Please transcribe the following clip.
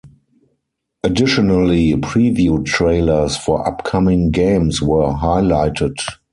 Additionally, preview trailers for upcoming games were highlighted.